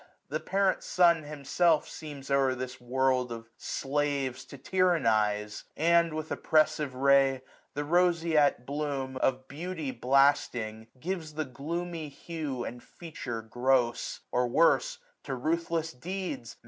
The parent sun himself Seems o'er this world of slaves to tyrannize; 885 And, with oppressive ray, the roseate bloodi Of beauty blasting, gives the gloomy hue. And feature gross : or worse, to ruthless deeds.